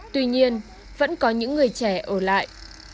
tuy nhiên vẫn có những người trẻ ở lại